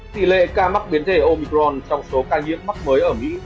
tỷ lệ ca mắc biến thể omicron trong số ca nhiễm mắc mới ở mỹ